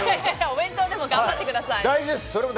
お弁当でも頑張ってください。